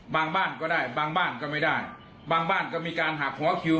บ้านก็ได้บางบ้านก็ไม่ได้บางบ้านก็มีการหักหัวคิว